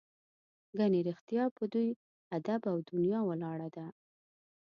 ګنې رښتیا په دوی ادب او دنیا ولاړه ده.